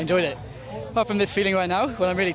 selain dari perasaan sekarang saat saya sangat penat